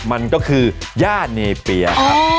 มันก็คือย่าเนเปียครับ